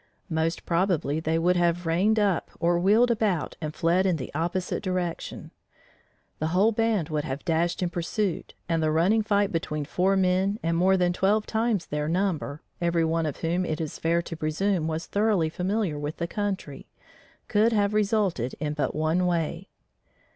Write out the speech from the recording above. Most probably they would have reined up or wheeled about and fled in the opposite direction. The whole band would have dashed in pursuit and the running fight between four men and more than twelve times their number, every one of whom it is fair to presume was thoroughly familiar with the country, could have resulted in but one way.